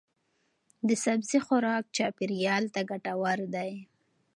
د سبزی خوراک چاپیریال ته ګټور دی.